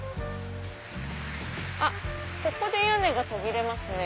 あっここで屋根が途切れますね。